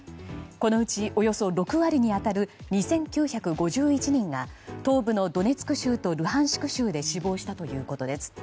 このうち、およそ６割に当たる２９５１人が東部のドネツク州とルハンシク州で死亡したということです。